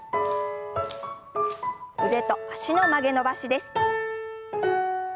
腕と脚の曲げ伸ばしです。